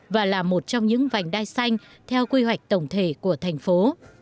và là một trong những vành đai xanh theo quy hoạch tổng thể của thành phố